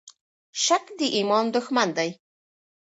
شک د ایمان دښمن دی.